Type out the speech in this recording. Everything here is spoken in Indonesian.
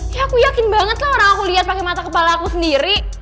ya aku yakin banget lah orang aku lihat pakai mata kepala aku sendiri